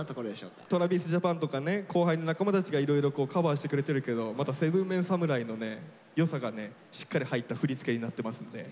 ＴｒａｖｉｓＪａｐａｎとかね後輩の仲間たちがいろいろカバーしてくれてるけどまた７ＭＥＮ侍の良さがねしっかり入った振り付けになってますんで。